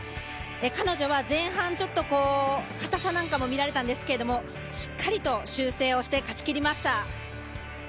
彼女は前半ちょっと硬さなんかも見られたんですけど、しっかりと修正して勝ちきりました。